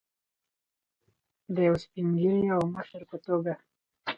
د یو سپین ږیري او مشر په توګه.